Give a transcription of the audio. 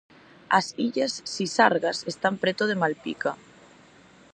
As Illas Sisargas están preto de Malpica.